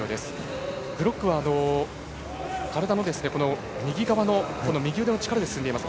グロックは体の右側の力で進んでいます。